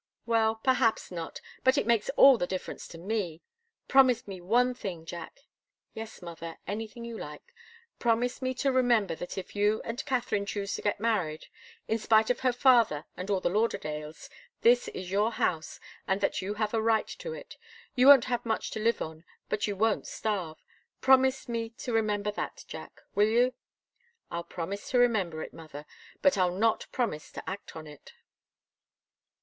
"Well perhaps not. But it makes all the difference to me. Promise me one thing, Jack." "Yes, mother anything you like." "Promise me to remember that if you and Katharine choose to get married, in spite of her father and all the Lauderdales, this is your house, and that you have a right to it. You won't have much to live on, but you won't starve. Promise me to remember that, Jack. Will you?" "I'll promise to remember it, mother. But I'll not promise to act on it."